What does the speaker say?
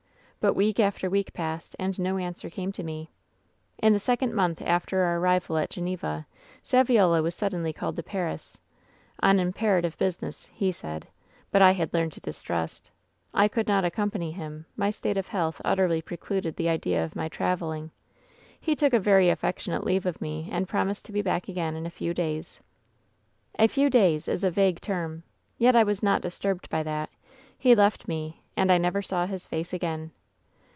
But week after week passed and no answer came to me. "In the second month after our arrival at Geneva, Saviola was suddenly called to Paris — on imperative business, he said ; but I had learned to distrust. I could not accompany him — my state of health utterly pre cluded the idea of my traveling. He took a very af 176 WHEN SHADOWS DEE fectionate leave of me^ and promised to be back agatt in a few days. " *A few days^ is a vague term ! Yet I was not dia. turbed by that. He left me, and I never saw his fac6 again.